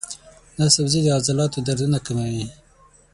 دا سبزی د عضلاتو دردونه کموي.